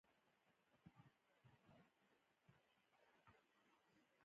که چیرته بلنه نه وې درکړل شوې نو د تګ غوښتنه مه کوه.